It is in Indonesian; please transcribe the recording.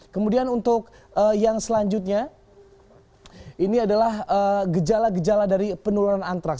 kemudian untuk yang selanjutnya ini adalah gejala gejala dari penularan antraks